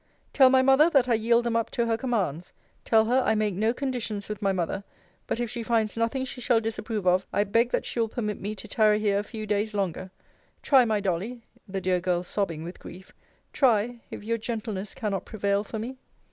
Tell my mother, that I yield them up to her commands: tell her, I make no conditions with my mother: but if she finds nothing she shall disapprove of, I beg that she will permit me to tarry here a few days longer. Try, my Dolly, [the dear girl sobbing with grief;] try if your gentleness cannot prevail for me.